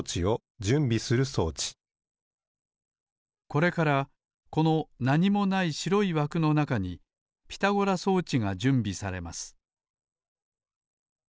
これからこのなにもないしろいわくのなかにピタゴラ装置がじゅんびされます